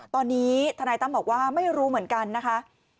ตอนนี้ทนายตั้มบอกว่าไม่รู้เหมือนกันนะคะ